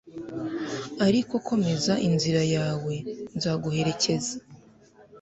Ariko komeza inzira yawe nzaguherekeza